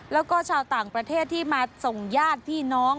แล้วก็ชาวต่างประเทศที่มาส่งญาติพี่น้อง